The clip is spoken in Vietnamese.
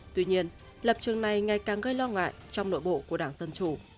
tuy nhiên lập trường này ngày càng gây lo ngại trong nội bộ của đảng dân chủ